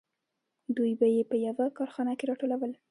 دوی به یې په یوه کارخانه کې راټولول